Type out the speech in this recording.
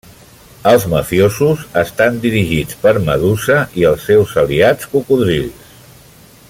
Els mafiosos estan dirigits per Medusa i els seus aliats cocodrils.